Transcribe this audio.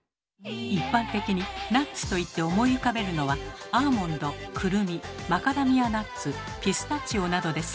一般的にナッツといって思い浮かべるのはアーモンドくるみマカダミアナッツピスタチオなどです